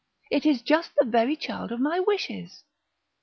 it is just the very child of my wishes!"